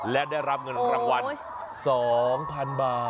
และได้รับเงินรางวัล๒๐๐๐บาท